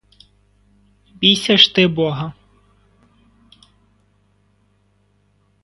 Бійся ж ти бога!